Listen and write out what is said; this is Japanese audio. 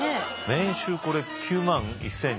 年収これ９万１，２００円？